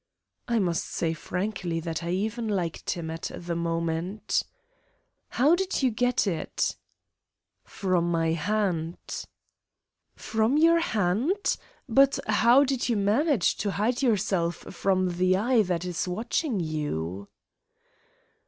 I must say frankly that I even liked him at that moment. "How did you get it?" "From my hand." "From your hand? But how did you manage to hide yourself from the eye that is watching you?"